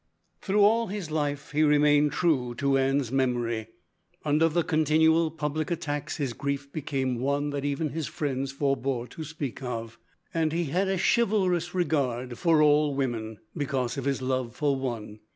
Through all his life he remained true to Anne's memory. Under the continual public attacks his grief became one that even his friends forebore to speak of, and he had a chivalrous regard for all women, because of his love for one.